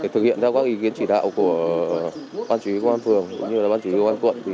thực hiện ra các ý kiến chỉ đạo của ban chủ yếu quan phường ban chủ yếu quan quận